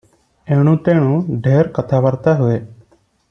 ଏଣୁ ତେଣୁ ଢେର କଥାବାର୍ତ୍ତା ହୁଏ ।